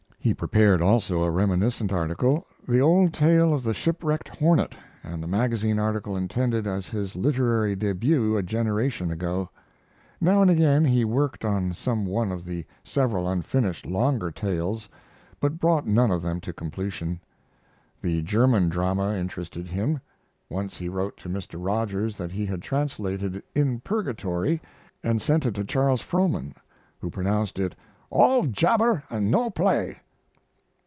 He prepared also a reminiscent article the old tale of the shipwrecked Hornet and the magazine article intended as his literary debut a generation ago. Now and again he worked on some one of the several unfinished longer tales, but brought none of them to completion. The German drama interested him. Once he wrote to Mr. Rogers that he had translated "In Purgatory" and sent it to Charles Frohman, who pronounced it "all jabber and no play."